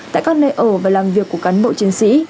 tại các nơi ở và làm việc của cán bộ chiến sĩ